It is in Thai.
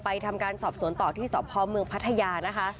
ไปทำการสอบสวนต่อที่สภอเมืองพัทยา